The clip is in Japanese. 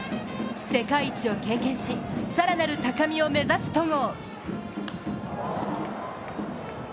世界一を経験し、更なる高みを目指す戸郷。